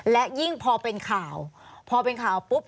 และยิ่งพอเป็นข่าวพอเป็นข่าวปุ๊บ